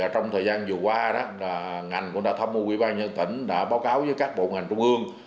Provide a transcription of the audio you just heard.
trong thời gian vừa qua ngành cũng đã tham mưu quỹ ban nhân tỉnh đã báo cáo với các bộ ngành trung ương